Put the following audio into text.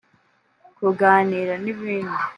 kuganira n’ibindi